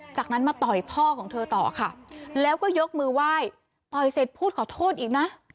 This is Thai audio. จากนั้นมาต่อยพ่อของเธอต่อค่ะแล้วก็ยกมือไหว้ต่อยเสร็จพูดขอโทษอีกนะ